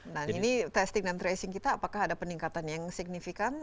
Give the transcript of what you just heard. nah ini testing dan tracing kita apakah ada peningkatan yang signifikan